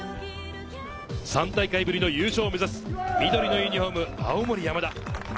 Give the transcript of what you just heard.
３大会ぶりの優勝を目指す緑のユニホーム、青森山田。